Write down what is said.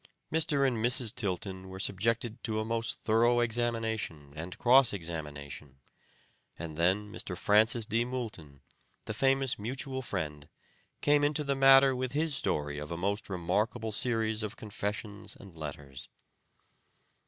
Mr. and Mrs. Tilton were subjected to a most thorough examination and cross examination, and then Mr. Francis D. Moulton, the famous mutual friend, came into the matter with his story of a most remarkable series of confessions and letters.